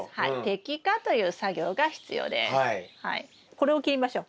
これを切りましょう。